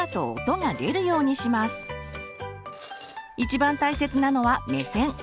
一番大切なのは目線。